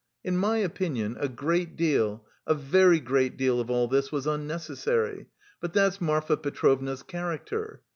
In my opinion a great deal, a very great deal of all this was unnecessary; but that's Marfa Petrovna's character.